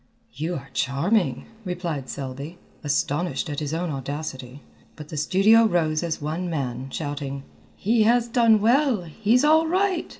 "You are charming," replied Selby, astonished at his own audacity, but the studio rose as one man, shouting: "He has done well! he's all right!"